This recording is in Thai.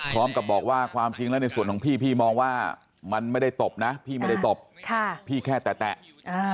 พร้อมกับบอกว่าความจริงแล้วในส่วนของพี่พี่มองว่ามันไม่ได้ตบนะพี่ไม่ได้ตบค่ะพี่แค่แตะอ่า